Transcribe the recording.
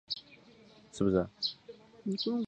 游戏主要是模拟冰球比赛。